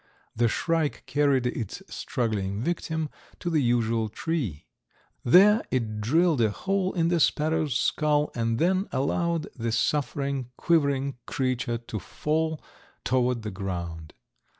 The shrike carried its struggling victim to the usual tree. There it drilled a hole in the sparrow's skull and then allowed the suffering, quivering creature to fall toward the ground.